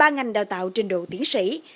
ba ngành đào tạo trình độ tiến sĩ